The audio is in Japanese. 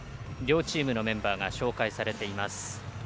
両チームのメンバーが紹介されています。